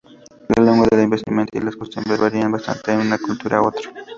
La lengua, la vestimenta y las costumbres varían bastante de una cultura a otra.